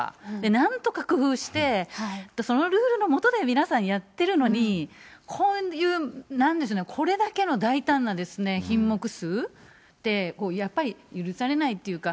なんとか工夫して、そのルールの下で皆さんやってるのに、こういうなんでしょうね、これだけの大胆な品目数、やっぱり許されないっていうか。